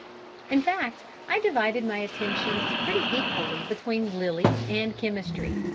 In fact I divided my attentions pretty equally between Lilly and chemistry.